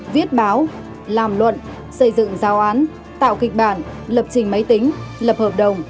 viết báo làm luận xây dựng giao án tạo kịch bản lập trình máy tính lập hợp đồng